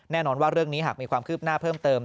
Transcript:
แน่นอนว่าเรื่องนี้หากมีความคืบหน้าเพิ่มเติม